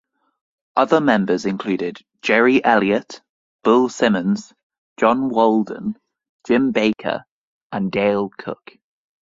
Other members included Jerry Elliot, Bill Simmons, John Walden, Jim Baker and Dale Cook.